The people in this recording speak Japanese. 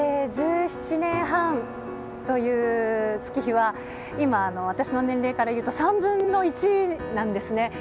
１７年半という月日は、今、私の年齢からいうと、３分の１なんですね。